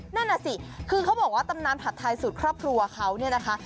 นั่นน่ะสิคือเขาบอกว่าตำนานผัดไทยสูตรครอบครัวเขาเนี่ยนะคะ